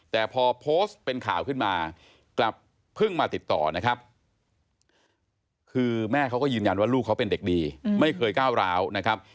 แต่พอโพสต์เป็นข่าวขึ้นมากลับเพิ่งมาติดต่อนะครับคือแม่เขาก็ยืนยันว่าลูกเขาเป็นเด็กดีไม่เคยก้าวร้าวนะครับ